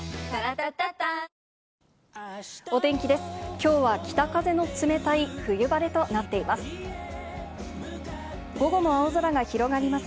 今日は北風の冷たい冬晴れとなっています。